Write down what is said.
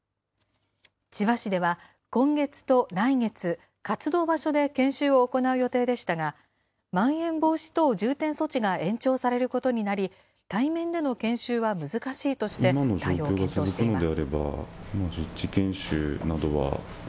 千葉市では、今月と来月、活動場所で研修を行う予定でしたが、まん延防止等重点措置が延長されることになり、対面での研修は難しいとして対応を検討しています。